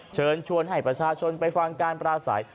เชิญชวนให้ประชาชนไปฟังการปราศัย